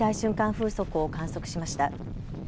風速を観測しました。